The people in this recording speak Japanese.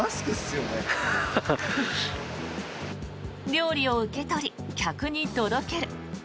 料理を受け取り、客に届ける。